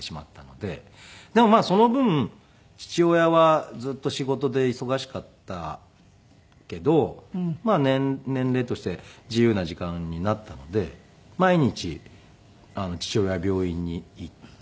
でもその分父親はずっと仕事で忙しかったけど年齢として自由な時間になったので毎日父親は病院に行って。